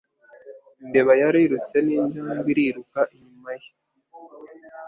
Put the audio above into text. Imbeba yarirutse ninjangwe iriruka inyuma ye.